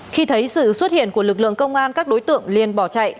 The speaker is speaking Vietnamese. khi thấy sự xuất hiện của lực lượng công an các đối tượng liên bỏ chạy